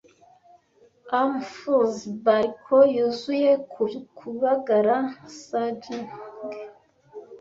Armfuls bariko yuzuye ku Kubagara sagging.